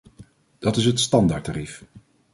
Dat is het standaardtarief.